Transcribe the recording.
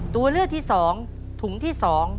ตัวเลือกที่๒ถุงที่๒